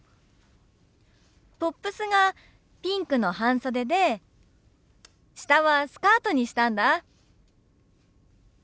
トップスがピンクの半袖で下はスカートにしたんだ。